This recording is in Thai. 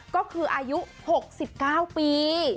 ก็คืออายุ๖๙ปี